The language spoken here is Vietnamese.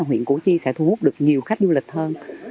huyện củ chi sẽ thu hút được nhiều khách du lịch hơn